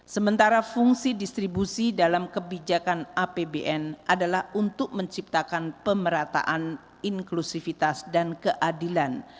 sementara fungsi distribusi dalam kebijakan apbn adalah untuk menciptakan pemerataan inklusivitas dan keadilan